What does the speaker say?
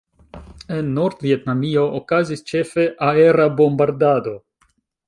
En Nord-Vjetnamio okazis ĉefe aera bombardado.